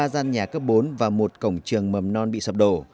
ba gian nhà cấp bốn và một cổng trường mầm non bị sập đổ